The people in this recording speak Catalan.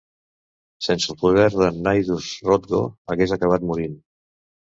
Sense el poder de"n Nidus, Rothgo hagués acabat morint.